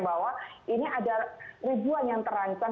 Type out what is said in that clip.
bahwa ini ada ribuan yang terancam